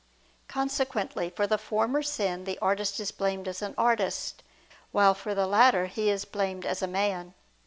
Consequently for the former sin the artist is blamed as an artist; while for the latter he is blamed as a man.